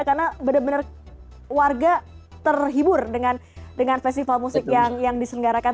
karena benar benar warga terhibur dengan festival musik yang diselenggarakan